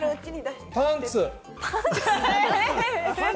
パンツ。